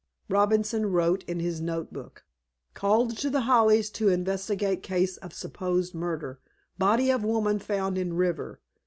Robinson wrote in his note book:— "Called to The Hollies to investigate case of supposed murder. Body of woman found in river.